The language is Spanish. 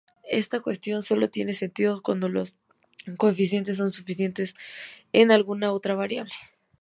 Esta cuestión solo tiene sentido cuando los coeficientes son funciones de alguna otra variable.